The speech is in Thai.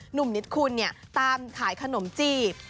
หนุ่มนิดคุณเนี่ยตามขายขนมจีบ